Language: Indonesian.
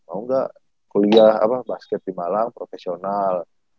mau gak kuliah basket di malang profesional